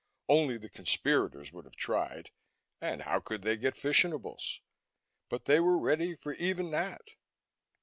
Only the conspirators would have tried, and how could they get fissionables? But they were ready for even that.